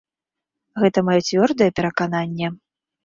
Гэта маё цвёрдае перакананне.